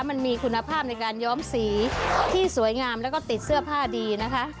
มันมีคุณภาพในการย้อมสีที่สวยงามแล้วก็ติดเสื้อผ้าดีนะคะ